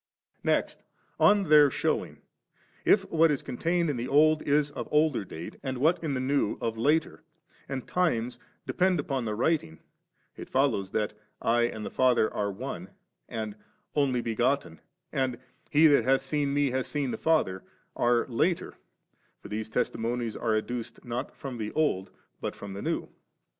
Next, od their shewing, if what is contained in the Old is of older date, and what in the New of later, and times depend upon the writing, it follows that ' I and the Father are One,' and ' Only b^otten,' and ' He that hath seen Me hath seen the FatherV are later, for these testimonies are adduced not fit>m the Old but from the New.